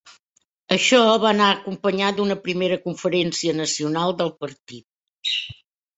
Això va anar acompanyat d'una Primera Conferència Nacional del partit.